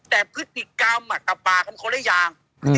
แต่พฤติกรรมอ่ะก็ปลาเยอะแบบคนหลายอย่าง